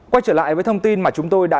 quay trở lại với thông tin mà chúng tôi đã